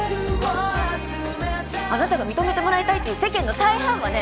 あなたが認めてもらいたいっていう世間の大半はね